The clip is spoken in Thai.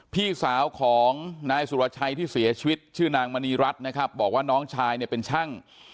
พี่สาวของนายสุรชัยที่เสียชีวิตชื่อนางมณีรัฐนะครับบอกว่าน้องชายเนี่ยเป็นช่าง